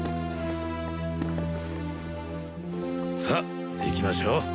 さあ行きましょう。